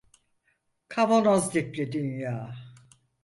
Kavanoz dipli dünya.